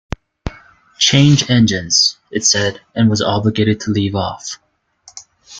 ‘Change engines—’ it said, and was obliged to leave off.